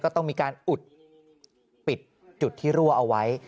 ต้องมีการอุดปิดจุดที่รั่วเอาไว้